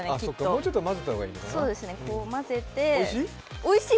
もうちょっと混ぜた方がいいのかな、おいしい？